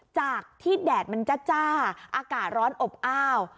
จากที่แดดมันจ้าอากาศร้อนอบอ้าว